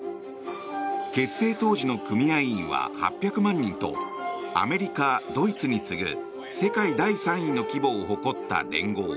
結成当時の組合員は８００万人とアメリカ、ドイツに次ぐ世界第３位の規模を誇った連合。